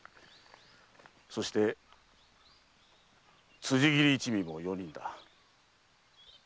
そして辻斬り一味も四人だ。